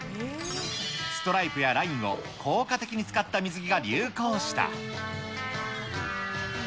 ストライプやラインを効果的に使った水着が流行した。